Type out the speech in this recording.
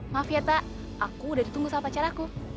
maaf yata aku udah ditunggu sama pacar aku